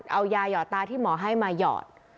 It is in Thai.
เอายาหยอดตาที่หมอให้มาหยอด